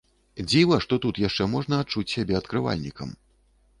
Дзіва, што тут яшчэ можна адчуць сябе адкрывальнікам.